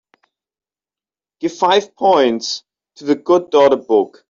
Give five points to The Good Daughter book